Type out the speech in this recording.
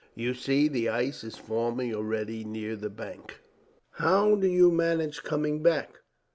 You see, the ice is forming already near the banks." "How do you manage coming back?"